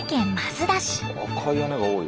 赤い屋根が多い。